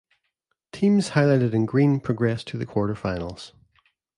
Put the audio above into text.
Teams highlighted in green progress to the Quarter Finals.